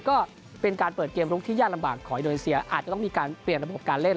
ก็เป็นการเปิดเกมลุกที่ยากลำบากของอินโดนีเซียอาจจะต้องมีการเปลี่ยนระบบการเล่น